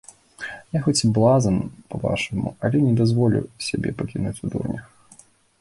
Я хоць і блазан, па-вашаму, але не дазволю сябе пакінуць у дурнях.